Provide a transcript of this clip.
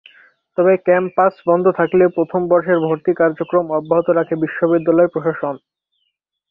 তবে ক্যাম্পাস বন্ধ থাকলেও প্রথম বর্ষের ভর্তির কার্যক্রম অব্যাহত রাখে বিশ্ববিদ্যালয় প্রশাসন।